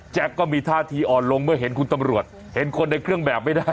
ก็มีท่าทีอ่อนลงเมื่อเห็นคุณตำรวจเห็นคนในเครื่องแบบไม่ได้